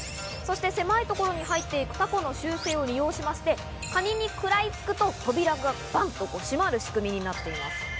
狭いところに入っているタコの習性を利用しまして、カニに食らいつくと扉がバンっと閉まる仕組みになっています。